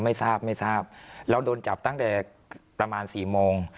ไม่ทราบไม่ทราบเราโดนจับตั้งแต่ประมาณสี่โมง